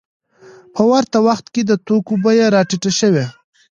په ورته وخت کې د توکو بیې راټیټې شوې